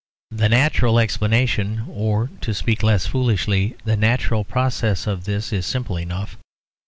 The natural explanation or (to speak less foolishly) the natural process of this is simple enough.